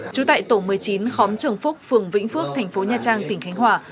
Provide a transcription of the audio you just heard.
trú tại tổ một mươi chín khóm trường phúc phường vĩnh phước thành phố nha trang tỉnh khánh hòa